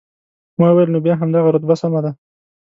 ما وویل، نو بیا همدغه رتبه سمه ده.